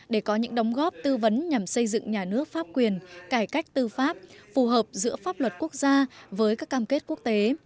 để có những đóng góp tư vấn nhằm xây dựng nhà nước pháp quyền cải cách tư pháp phù hợp giữa pháp luật quốc gia với các cam kết quốc tế